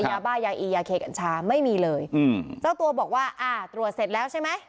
ยาบ้ายาอียาเคกัญชาไม่มีเลยอืมเจ้าตัวบอกว่าอ่าตรวจเสร็จแล้วใช่ไหม